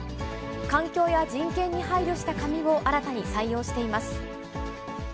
環境や人権に配慮した紙を新たに採用しています。